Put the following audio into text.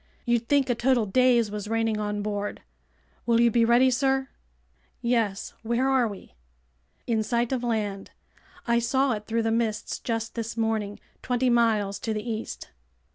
You'd think a total daze was reigning on board. Will you be ready, sir?" "Yes. Where are we?" "In sight of land. I saw it through the mists just this morning, twenty miles to the east."